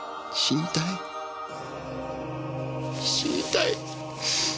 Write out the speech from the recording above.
死にたい死にたい。